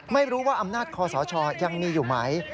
ไม่รู้ว่าอำนาจคอสชยังมีอยู่ไหม